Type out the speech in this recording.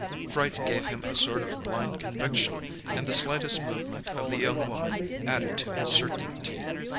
Fright gave him a sort of blind conviction, and the slightest movement of the young woman added to his certainty.